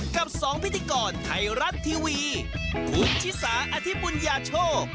กับ๒พิธีกรไทยรัฐทีวีคุณชิสาอธิบุญญาโชค